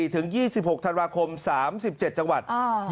ถึง๒๖ธันวาคม๓๗จังหวัด